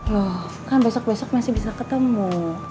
loh kan besok besok masih bisa ketemu